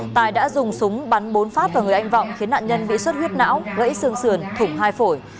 tài đã dùng súng bắn bốn phát vào người anh vọng khiến nạn nhân bị suất huyết não gãy xương sườn thủng hai phổi